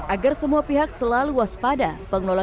agar semua pihak selalu waspada pengelola